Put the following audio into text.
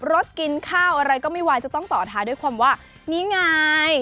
รถกินข้าวอะไรก็ไม่ไหวจะต้องต่อท้ายด้วยความว่านี่ไง